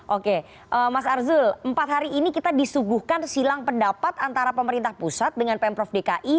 oke mas arzul empat hari ini kita disuguhkan silang pendapat antara pemerintah pusat dengan pemprov dki